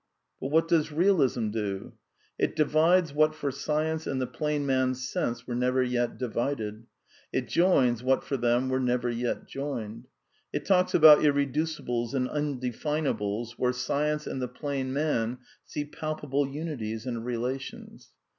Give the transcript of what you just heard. But what does Bealism do ? It divides what for science and the plain man's sense were never yet divided. It joins what for them were never yet joined. It talks about irreducibles and undev>C finables where science and the plain man see palpable uni ties and relations.